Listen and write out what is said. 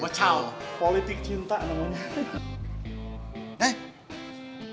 bacau politik cinta namanya